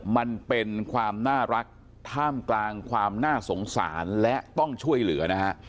มันเป็นความน่ารักท่ามกลางความน่าสงสารและต้องช่วยเหลือนะฮะ